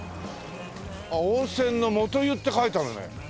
温泉の元湯って書いてあるね。